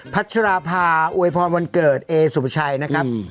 พัชราภาอวยพรวันเกิดเอสุภาชัยนะครับ